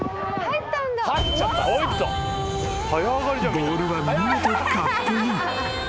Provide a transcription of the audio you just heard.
［ボールは見事カップイン。